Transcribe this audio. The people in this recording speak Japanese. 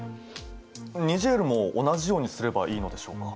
ニジェールも同じようにすればいいのでしょうか？